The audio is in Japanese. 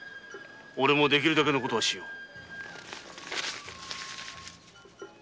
おれもできるだけのことをしよう。